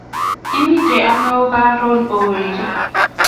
Imiten ano raa ooh weri